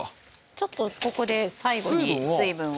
ちょっとここで最後に水分を。